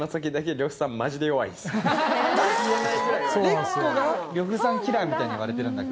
裂固が呂布さんキラーみたいに言われてるんだっけ？